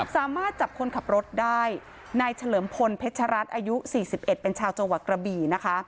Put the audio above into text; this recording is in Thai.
สามารถจับคนขับรถได้นายเฉลิมพลเพชรัตน์อายุ๔๑เป็นชาวจังหวัดกระบี่นะคะ